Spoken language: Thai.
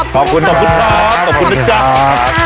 ขอบคุณค่ะขอบคุณทอดขอบคุณลูกจักร